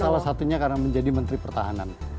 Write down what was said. salah satunya karena menjadi menteri pertahanan